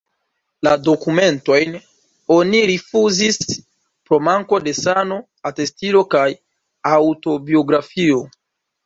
La dokumentojn oni rifuzis pro manko de sano-atestilo kaj aŭtobiografio.